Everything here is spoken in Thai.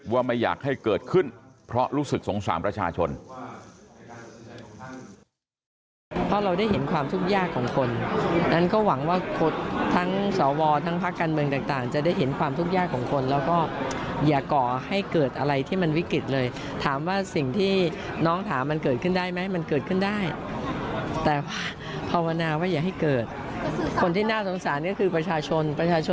ไม่อยากให้เกิดขึ้นเพราะรู้สึกสงสารประชาชน